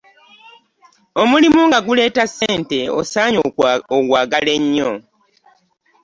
Omulimu nga guleeta ssente osaanye ogwagale nnyo.